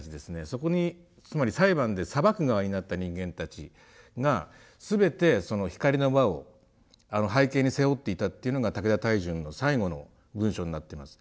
そこにつまり裁判で裁く側になった人間たちが全てその光の輪を背景に背負っていたっていうのが武田泰淳の最後の文章になってます。